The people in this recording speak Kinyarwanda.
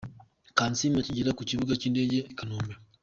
Kansiime akigera ku kibuga cy'indege i Kanombe.